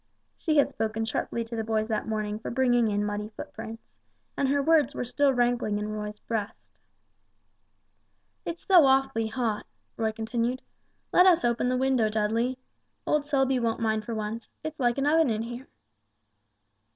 She had spoken sharply to the boys that morning for bringing in muddy footprints, and her words were still rankling in Roy's breast. "It's so awfully hot," Roy continued; "let us open the window, Dudley. Old Selby won't mind for once; it's like an oven in here."